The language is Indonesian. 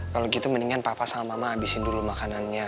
kalau gitu mendingan papa sama mama habisin dulu makanannya